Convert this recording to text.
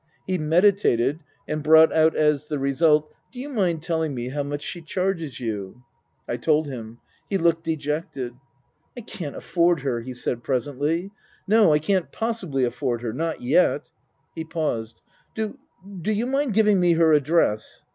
He meditated, and brought out as the result : "Do you mind telling me how much she charges you ?" I told him. He looked dejected. " I can't afford her," he said presently. "No. I can't possibly afford her. Not yet." He paused. " Do you mind giving me her address